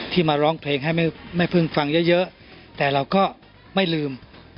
มาร้องเพลงให้แม่พึ่งฟังเยอะแต่เราก็ไม่ลืม